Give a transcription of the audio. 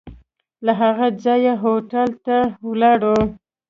له هغه ځایه هوټل ته ولاړو.